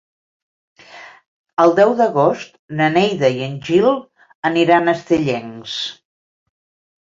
El deu d'agost na Neida i en Gil aniran a Estellencs.